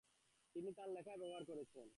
তিনি তার লেখায় ব্যবহার করেছেন।